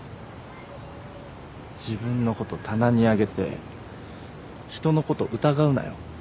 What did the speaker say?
自分のこと棚に上げて人のこと疑うなよ。